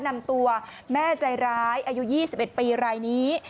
นำตัวแม่ใจร้ายอายุ๒๑ปีรายนี้